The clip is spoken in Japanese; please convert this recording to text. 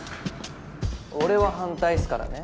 俺は反対っすからね